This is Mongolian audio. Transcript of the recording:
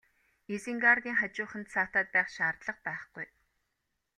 Изенгардын хажууханд саатаад байх шаардлага байхгүй.